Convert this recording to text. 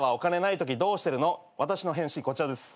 私の返信こちらです。